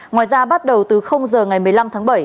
ngoài ra bắt đầu từ giờ ngày một mươi năm tháng bảy